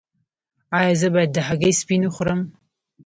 ایا زه باید د هګۍ سپین وخورم؟